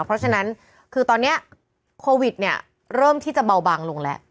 เพราะฉะนั้นตอนนี้โควิดเริ่มที่จะเบาบังลงแล้ว